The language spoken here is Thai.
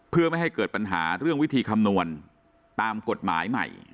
เพื่อไม่ให้เกิดปัญหาเรื่องวิธีคำนวณตามกฎหมายใหม่